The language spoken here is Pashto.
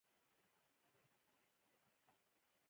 که مي زړګي ستا خاطرې ساتي